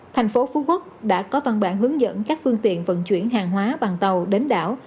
thành phố phú quốc đã có văn bản hướng dẫn các phương tiện vận chuyển hàng hóa bằng tàu đến đảo